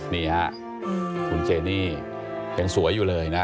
นี่ฮะคุณเจนี่ยังสวยอยู่เลยนะ